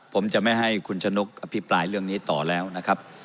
ผมจะไม่ให้คุณชนกอภิปรายเรื่องนี้ต่อแล้วนะครับ